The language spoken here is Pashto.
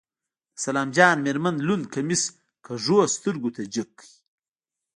د سلام جان مېرمن لوند کميس کږو سترګو ته جګ کړ.